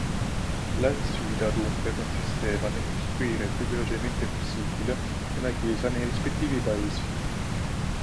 La sfida dunque consisteva nel costruire più velocemente possibile una chiesa nei rispettivi paesi.